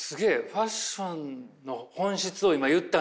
ファッションの本質を今言ったんだ。